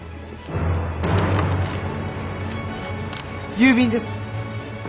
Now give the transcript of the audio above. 郵便です。